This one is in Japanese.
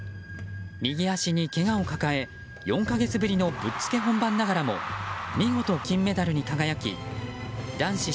右足にけがを抱え、４か月ぶりのぶっつけ本番ながらも見事、金メダルに輝き男子